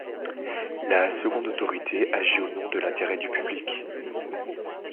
La Seconde Autorité agit au nom de l’intérêt du public.